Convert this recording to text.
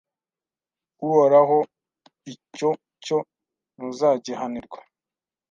uhoraho icyo cyo ntuzagihanirwa